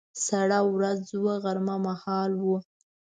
سړه ورځ وه، غرمه مهال و.